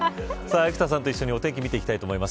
生田さんと一緒にお天気見ていきたいと思います。